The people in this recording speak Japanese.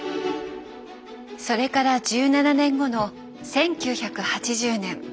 それから１７年後の１９８０年。